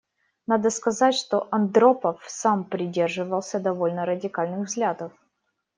Надо сказать, что Андропов сам придерживался довольно радикальных взглядов.